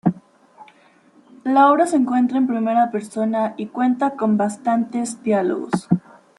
La obra se cuenta en primera persona, y cuenta con bastantes diálogos.